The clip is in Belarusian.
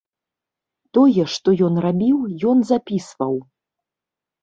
Тое, што ён рабіў, ён запісваў.